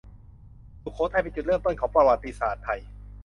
สุโขทัยเป็นจุดเริ่มต้นของประวัติศาสตร์ไทย